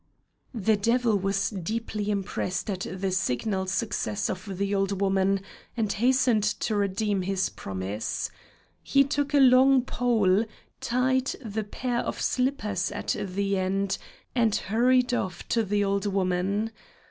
The devil was deeply impressed at the signal success of the old woman, and hastened to redeem his promise. He took a long pole, tied the pair of slippers at the end, and hurried off to the old woman.